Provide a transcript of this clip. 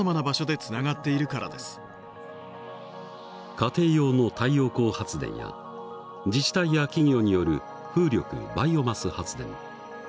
家庭用の太陽光発電や自治体や企業による風力バイオマス発電。